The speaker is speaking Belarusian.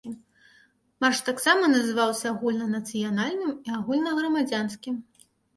Марш таксама называўся агульнанацыянальным і агульнаграмадзянскім.